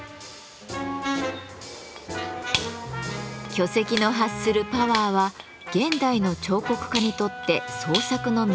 巨石の発するパワーは現代の彫刻家にとって創作の源となっています。